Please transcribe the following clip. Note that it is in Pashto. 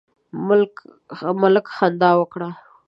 ملک خندا وکړه.